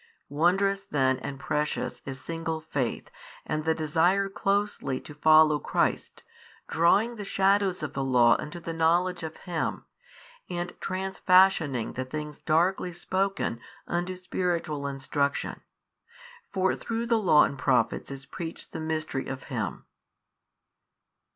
Wondrous then and precious is single faith and the desire closely to follow Christ, drawing the shadows of the law unto the knowledge of Him, and transfashioning the things darkly spoken unto spiritual instruction. For through the law and the prophets is preached the Mystery of Him.